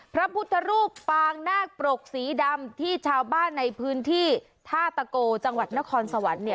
พระพุทธรูปปางนาคปรกสีดำที่ชาวบ้านในพื้นที่ท่าตะโกจังหวัดนครสวรรค์เนี่ย